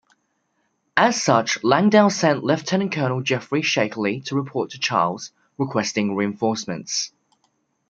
As such, Langdale sent Lieutenant Colonel Jeffrey Shakerley to report to Charles, requesting reinforcements.